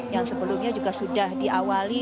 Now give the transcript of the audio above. yang sebelumnya juga sudah diawali